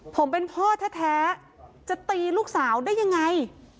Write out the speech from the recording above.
ผมเป็นพ่อแท้จะตีลูกสาวได้ยังไง